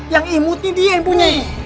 yang imut nih dia yang punya